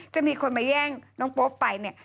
จะมีคนมาแย่งน้องโป๊ปไปเนี่ย